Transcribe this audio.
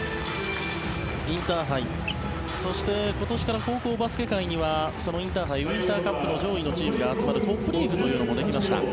インターハイ、そして今年から高校バスケ界にはインターハイウインターカップの上位のチームが集まるトップリーグというのもできました。